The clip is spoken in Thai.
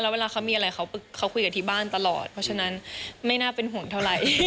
เวลาเขามีอะไรเขาคุยกันที่บ้านตลอดเพราะฉะนั้นไม่น่าเป็นห่วงเท่าไหร่